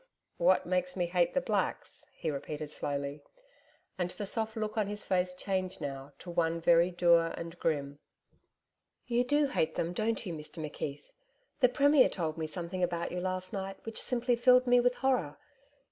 'What makes me hate the Blacks?' he repeated slowly and the soft look on his face changed now to one very dour and grim. 'You do hate them, don't you? Mr McKeith, the Premier told me something about you last night, which simply filled me with horror.